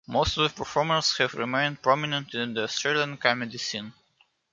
Most of the performers have remained prominent in the Australian comedy scene.